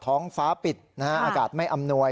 ท้องฟ้าปิดนะฮะอากาศไม่อำนวย